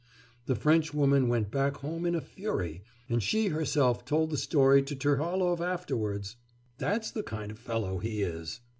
The Frenchwoman went back home in a fury, and she herself told the story to Terlahov afterwards! That's the kind of fellow he is.